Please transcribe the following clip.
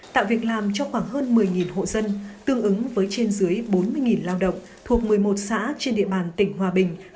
tạo việc làm cho khoảng hơn một mươi hộ dân tương ứng với trên dưới bốn mươi lao động thuộc một mươi một xã trên địa bàn tỉnh hòa bình